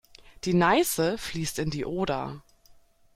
Die Neiße fließt in die Oder.